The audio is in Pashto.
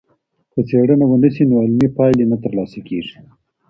که څېړنه ونسي، نو علمي پايلې نه ترلاسه کيږي.